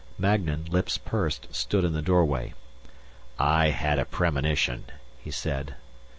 Magnan, lips pursed, stood in the doorway. "I had a premonition," he said.